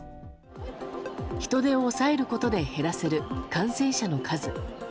人出を抑えることで減らせる感染者の数。